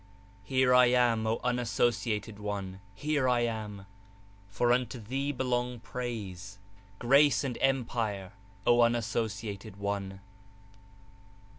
Here I am, O Unassociated One, here I am, for unto Thee belong praise, grace, and empire, O Unassociated One!